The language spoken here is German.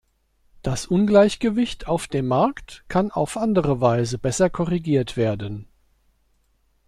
Das Ungleichgewicht auf dem Markt kann auf andere Weise besser korrigiert werden.